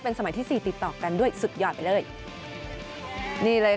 สมัยที่สี่ติดต่อกันด้วยสุดยอดไปเลยนี่เลย